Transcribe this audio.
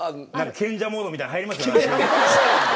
賢者モードみたいなの入りますよね。